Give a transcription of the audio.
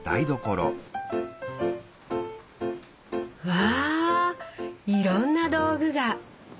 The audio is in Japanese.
わいろんな道具が。